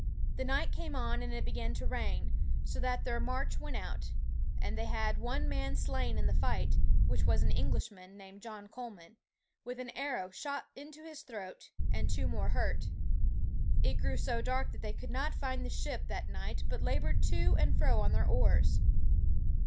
The night came on, and it began to raine, so that their match went out; and they had one man slain in the fight, which was an Englishman, named John Colman, with an arrow shot into his throat, and two more hurt. It grew so dark that they could not find the shippe that night, but laboured to and fro on their oares.